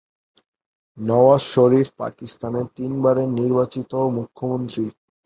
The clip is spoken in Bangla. নওয়াজ শরীফ পাকিস্তানের তিনবারের নির্বাচিত মুখ্যমন্ত্রী।